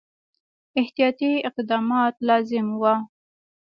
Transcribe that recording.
احتیاطي اقدامات لازم وه.